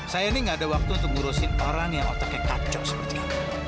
saya ini gak ada waktu untuk ngurusin orang yang otaknya kacau seperti itu